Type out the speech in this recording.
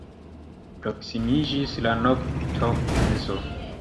Proksimiĝis la noktomezo.